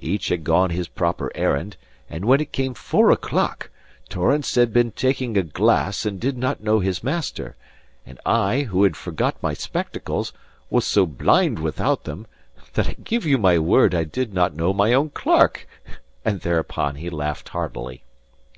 Each had gone his proper errand; and when it came four o'clock, Torrance had been taking a glass and did not know his master, and I, who had forgot my spectacles, was so blind without them, that I give you my word I did not know my own clerk." And thereupon he laughed heartily.